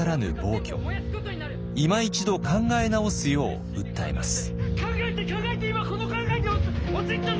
いま一度考え直すよう訴えます。